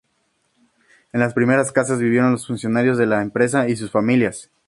En las primeras casas vivieron los funcionarios de la empresa y sus familias.